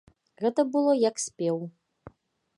Гэта было як спеў.